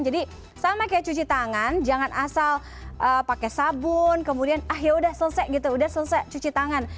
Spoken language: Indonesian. jadi sama kayak cuci tangan jangan asal pakai sabun kemudian ah yaudah selesai gitu udah selesai cuci tangan